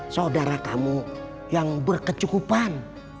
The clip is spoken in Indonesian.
saudara kamu yang berkecukupan